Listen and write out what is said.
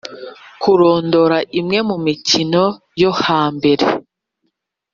kurondora imwe mu mikino yo hambere.